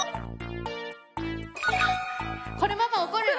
これママ怒るよ。